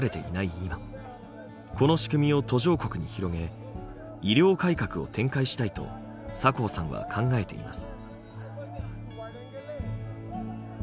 今この仕組みを途上国に広げ医療改革を展開したいと酒匂さんは考えています。